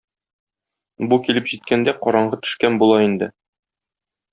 Бу килеп җиткәндә караңгы төшкән була инде.